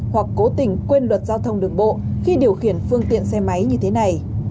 hoặc cố tình quên luật giao thông đường bộ khi điều khiển phương tiện xe máy như thế này